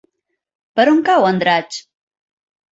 Per on cau Andratx?